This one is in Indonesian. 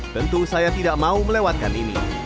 tentu saya tidak mau melewatkan ini